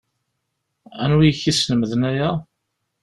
Anwi i k-yeslemden aya